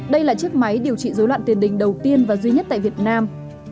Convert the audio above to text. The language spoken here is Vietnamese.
đây là chiếc máy điều trị dối loạn tiền đình đầu tiên và duy nhất tại việt nam